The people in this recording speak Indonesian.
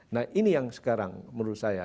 nah ini yang sekarang menurut saya